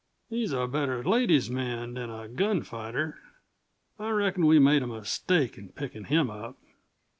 "He's a better ladies' man than a gunfighter. I reckon we made a mistake in pickin' him up."